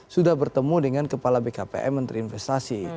sudah bertemu dengan kepala bkpm menteri investasi